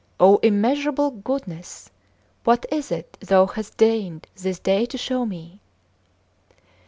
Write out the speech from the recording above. O immeasurable Goodness! what is it Thou hast deigned this day to show me!"